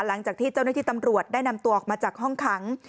หลังจากที่เจ้าหน้าที่ตำรวจได้นำตัวออกมาจากห้องขัง